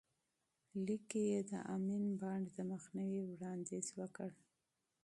لیک کې یې د امین بانډ د مخنیوي وړاندیز وکړ.